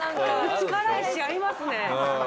力石合いますね。